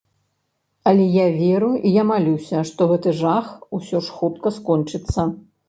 Але я веру і я малюся, што гэты жах усё ж хутка скончыцца.